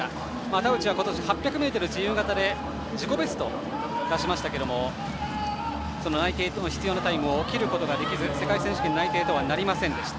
田渕は今年、８００ｍ自由形で自己ベストを出しましたけれども内定に必要なタイムを切ることができず世界選手権内定とはなりませんでした。